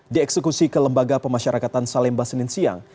dieksekusi ke lembaga pemasyarakatan salemba senin siang